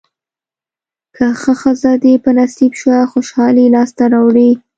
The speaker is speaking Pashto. که ښه ښځه دې په نصیب شوه خوشالۍ لاسته راوړې.